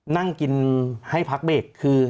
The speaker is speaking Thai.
นั่งกินให้พักเบรกคือ